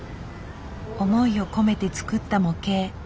思いを込めて作った模型。